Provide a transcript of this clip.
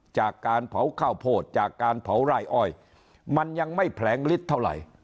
จากการเผาข้าวโพดจากการเผาไร่อ้อยมันยังไม่แผลงฤทธิ์เท่าไหร่